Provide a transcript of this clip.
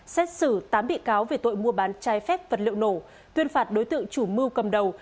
xét xử tám bị cáo về tội mua bán trái phép vật liệu nổ tuyên phạt đối tượng chủ mưu cầm đầu